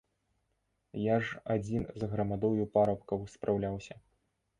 Я ж адзін з грамадою парабкаў спраўляўся!